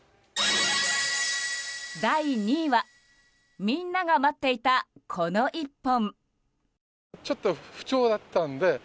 第２位はみんなが待っていたこの１本。